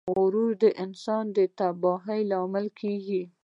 غرور د انسان د تباهۍ لامل کیږي.